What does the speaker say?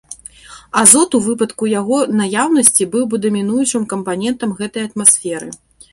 Азот, у выпадку яго наяўнасці, быў бы дамінуючым кампанентам гэтай атмасферы.